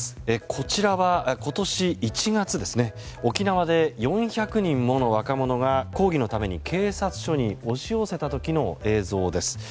こちらは、今年１月沖縄で４００人もの若者が抗議のために警察署に押し寄せた時の映像です。